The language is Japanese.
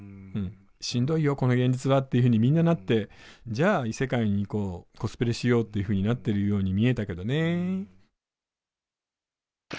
しんどいよこの現実はっていうふうにみんななってじゃあ異世界に行こうコスプレしようっていうふうになってるように見えたけどね。